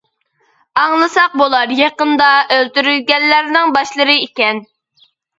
ئاڭلىساق بۇلار يېقىندا ئۆلتۈرۈلگەنلەرنىڭ باشلىرى ئىكەن.